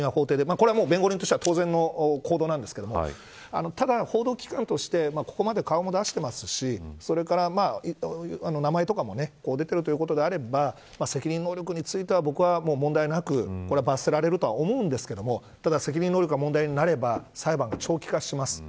これは弁護人としては当然のことなんですけどただ報道機関としてここまで顔も出していますしそれから名前とかも出ているということであれば責任能力については僕は問題なく罰せられると思うんですけれどもただ責任能力が問題になれば裁判が長期化します。